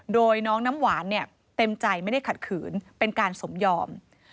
โดยน้องน้ำหวานเนี่ยเต็มใจไม่ได้ขัดขืนเป็นการสมยอม